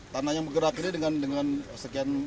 tanah yang bergerak ini dengan sekian